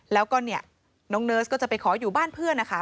แล้วก็เนี่ยน้องเนิร์สก็จะไปขออยู่บ้านเพื่อนนะคะ